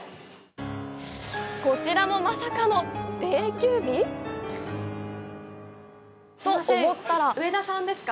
こちらもまさかの定休日！？と思ったらすいません、うえ田さんですか。